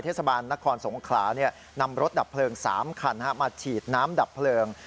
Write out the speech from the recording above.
เทศบาลนครสงขลานำรถดับเพลิง๓คันมาฉีดน้ำดับเพลิง